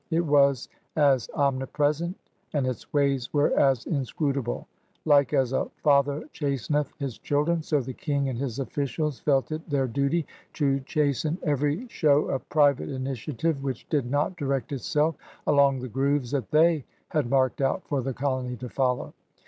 It was as omnipresent and its ways were as inscrutable. Like as a father chasteneth his children, so the ICing and his oflicials felt it their duty to chasten every show of private initia 202 CRUSADERS OF NEW FRANCE live which did not direct itself along the grooves that they had marked out for the colony to follow.